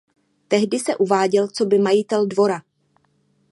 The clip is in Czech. Tehdy se uváděl coby majitel dvora.